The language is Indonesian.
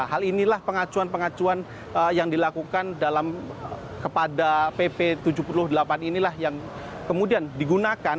hal inilah pengacuan pengacuan yang dilakukan kepada pp tujuh puluh delapan inilah yang kemudian digunakan